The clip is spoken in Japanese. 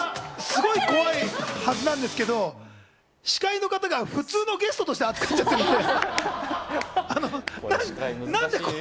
すごい怖いはずなんですけど、司会の方が普通のゲストとして扱っちゃってますね。